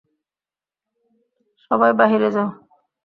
সবাই বাহিরে যাও।